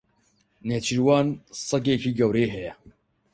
نێچیروان سەگێکی گەورەی هەیە.